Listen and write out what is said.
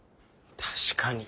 確かに。